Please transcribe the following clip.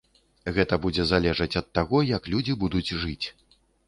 Гэта будзе залежаць ад таго, як людзі будуць жыць.